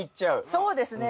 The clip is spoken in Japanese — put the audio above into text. そうですね。